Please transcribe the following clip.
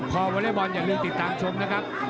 วอเล็กบอลอย่าลืมติดตามชมนะครับ